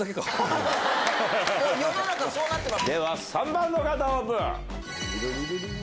では３番の方オープン。